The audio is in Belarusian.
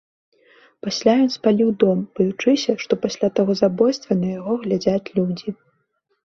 Пасля ён спаліў дом, баючыся, што пасля таго забойства на яго глядзяць людзі.